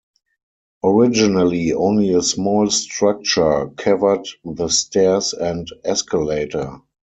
Originally only a small structure covered the stairs and escalator.